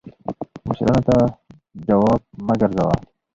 مشرانو ته جواب مه ګرځوه